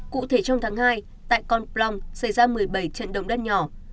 cụ thể trong tháng hai tại con plong xảy ra một mươi bảy trận động đất nhỏ